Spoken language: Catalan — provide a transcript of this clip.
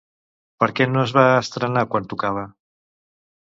Per què no es va estrenar quan tocava?